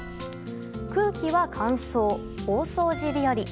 空気は乾燥、大掃除日和。